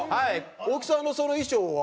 大木さんのその衣装は？